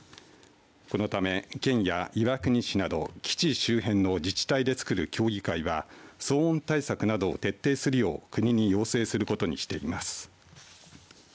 このため県や岩国市など基地周辺の自治体で作る協議会は騒音対策などを、徹底するよう国に要請することにしています。